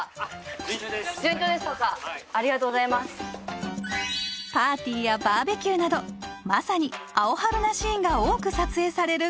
順調です順調でしょうかありがとうございますパーティーやバーベキューなどまさにアオハルなシーンが多く撮影される